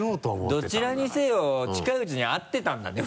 どちらにせよ近いうちに会ってたんだね